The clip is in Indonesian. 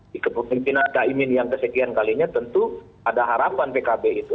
di kepemimpinan caimin yang kesekian kalinya tentu ada harapan pkb itu